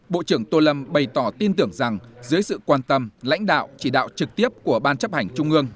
bộ trưởng tô lâm bày tỏ tin tưởng rằng dưới sự quan tâm lãnh đạo chỉ đạo trực tiếp của ban chấp hành trung ương